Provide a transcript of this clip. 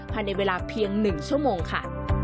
ภายในเวลาเพียง๑ชั่วโมงค่ะ